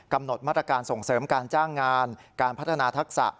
กำหนดมาตรการส่งเสริมการจ้างงานการพัฒนาทักษะ